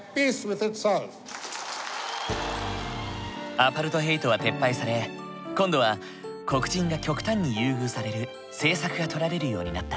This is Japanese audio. アパルトヘイトは撤廃され今度は黒人が極端に優遇される政策がとられるようになった。